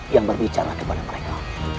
yang berbicara kepada mereka